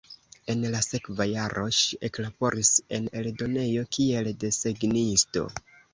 En la sekva jaro ŝi eklaboris en eldonejo, kiel desegnisto.